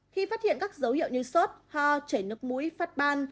khi phát hiện các dấu hiệu như sốt ho chảy nước mũi phát ban